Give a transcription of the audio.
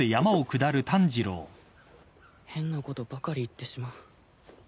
変なことばかり言ってしまう。